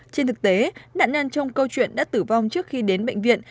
trên thực tế nạn nhân trong câu chuyện đã tử vong trước khi đến bệnh viện